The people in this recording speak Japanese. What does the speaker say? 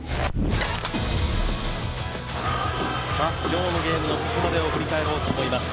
今日のゲームのここまでを振り返ろうと思います。